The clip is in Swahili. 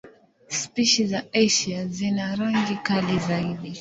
Spishi za Asia zina rangi kali zaidi.